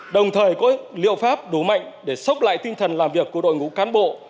đồng thời có liệu pháp đủ mạnh để sốc lại tinh thần làm việc của đội ngũ cán bộ